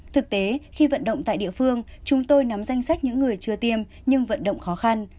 thực tế khi vận động tại địa phương chúng tôi nắm danh sách những người chưa tiêm nhưng vận động khó khăn